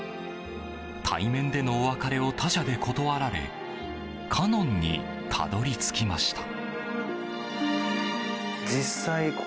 対面でのお別れを他社で断わられカノンにたどり着きました。